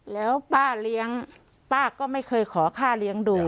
แล้วป้าเลี้ยงป้าก็ไม่เคยขอค่าเลี้ยงดู